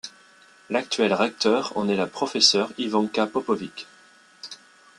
L'actuelle recteur en est la professeur Ivanka Popović.